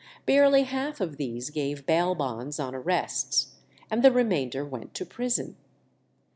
Barely half of these gave bail bonds on arrests, and the remainder went to prison.